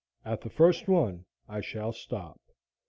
At the first one I shall stop.